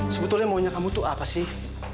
sebetulnya maunya kamu tuh apa sih